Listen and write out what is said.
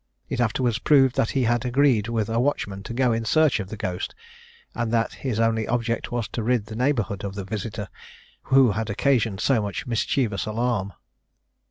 It afterwards proved that he had agreed with a watchman to go in search of the ghost; and that his only object was to rid the neighbourhood of the visitor, who had occasioned so much mischievous alarm.